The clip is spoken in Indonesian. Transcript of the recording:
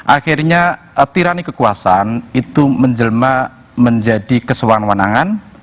akhirnya tirani kekuasaan itu menjelma menjadi kesewan wanangan